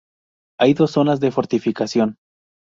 Hay dos zonas de fortificación.